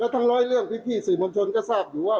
ทั้งร้อยเรื่องพี่สื่อมวลชนก็ทราบอยู่ว่า